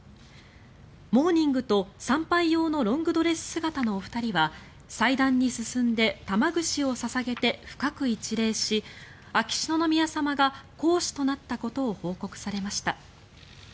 モーニングと参拝用のロングドレス姿のお二人は祭壇に進んで玉串を捧げて深く一礼し秋篠宮さまが皇嗣となったことを報告されました。